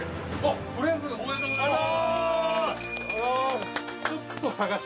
「とりあえずおめでとうございます！」